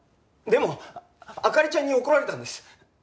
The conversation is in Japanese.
でも灯ちゃんに怒られたんです。